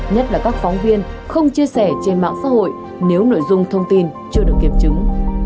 nhất là các phóng viên không chia sẻ trên mạng xã hội nếu nội dung thông tin chưa được kiểm chứng